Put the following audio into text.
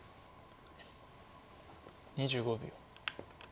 ２５秒。